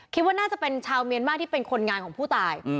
คิดว่าน่าจะเป็นชาวเมียนมากที่เป็นคนงานของผู้ตาย